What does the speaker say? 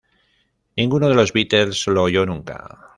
Ninguno de los Beatles lo oyó nunca.".